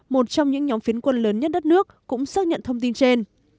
một trong những nhóm phiến quân lớn nhất đất nước cũng xác nhận thông tin trên